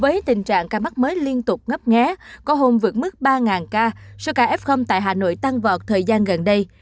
với tình trạng ca mắc mới liên tục ngấp nghé có hôm vượt mức ba ca số ca f tại hà nội tăng vọt thời gian gần đây